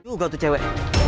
tuh gakut tuh cewek